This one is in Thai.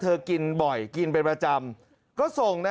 แต่ตอนนี้ติดต่อน้องไม่ได้